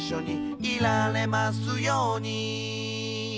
「いられますように」